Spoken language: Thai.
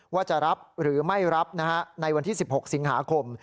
ว่าจะรับหรือไม่รับในวันที่๑๖สิงหาคม